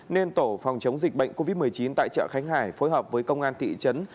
nên tổ phòng chống dịch bệnh covid một mươi chín tại chợ khánh hải phối hợp với công an thị trấn